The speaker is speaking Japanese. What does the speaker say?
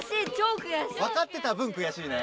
わかってた分くやしいね。